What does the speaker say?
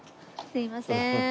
すいません。